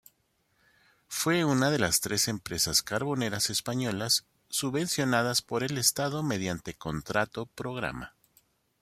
Fue una de las tres empresas carboneras españolas subvencionadas por el Estado mediante contrato-programa.